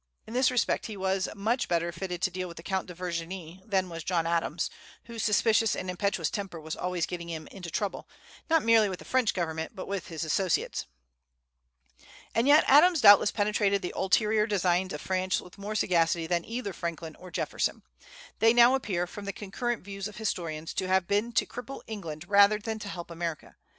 In this respect he was much better fitted to deal with the Count de Vergennes than was John Adams, whose suspicious and impetuous temper was always getting him into trouble, not merely with the French government, but with his associates. And yet Adams doubtless penetrated the ulterior designs of France with more sagacity than either Franklin or Jefferson. They now appear, from the concurrent views of historians, to have been to cripple England rather than to help America.